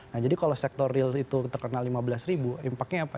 nah jadi kalau sektor real itu terkenal lima belas ribu impact nya apa